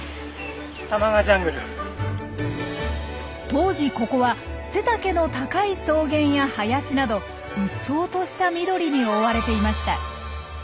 当時ここは背丈の高い草原や林など鬱蒼とした緑に覆われていました。